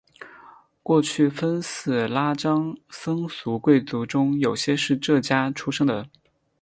过去分寺拉章僧俗贵族中有些是这家出生的。